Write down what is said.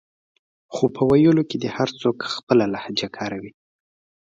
خو په ویلو کې دې هر څوک خپله لهجه کاروي